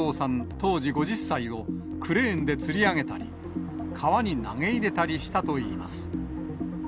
当時５０歳をクレーンでつり上げたり、川に投げ入れたりしたといいます。